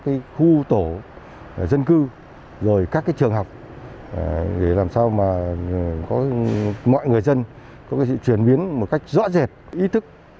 khu tổ dân cư rồi các trường học để làm sao mà mọi người dân có thể truyền biến một cách rõ rệt ý thức